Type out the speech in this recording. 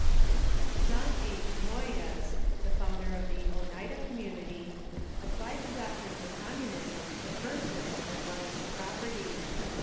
John H. Noyes, the founder of the Oneida Community, ap plied the doctrines of communism to persons as well as to property.